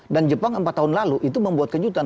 jepang empat tahun lalu itu membuat kejutan